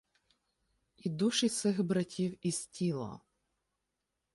І душі сих братів із тіла